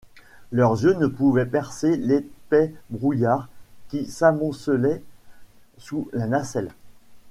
Leurs yeux ne pouvaient percer l’épais brouillard qui s’amoncelait sous la nacelle.